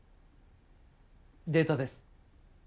データです。